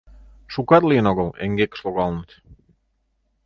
Шукат лийын огыл — эҥгекыш логалыныт.